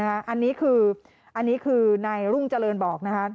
อันนี้คือนายรุ่งเจริญบอกนะครับ